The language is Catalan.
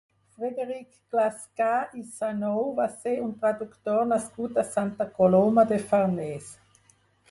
Frederic Clascar i Sanou va ser un traductor nascut a Santa Coloma de Farners.